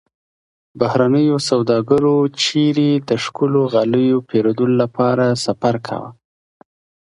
بهرنیو سوداګرو چیرته د ښکلو غالیو پیرودلو لپاره سفر کاوه؟